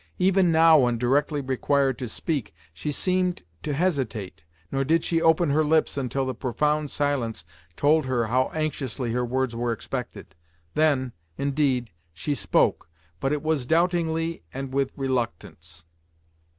Even now when directly required to speak, she seemed to hesitate, nor did she open her lips until the profound silence told her how anxiously her words were expected. Then, indeed, she spoke, but it was doubtingly and with reluctance.